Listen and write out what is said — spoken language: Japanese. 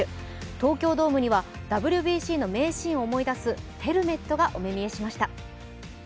東京ドームにはＷＢＣの名シーンを思い出すヘルメットがお目見えしました。